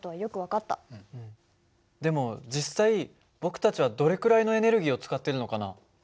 でも実際僕たちはどれくらいのエネルギーを使ってるのかな？